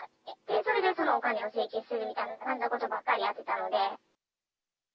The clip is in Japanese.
それでそのお金を請求するみたいなことばかりやってたので。